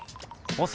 ボス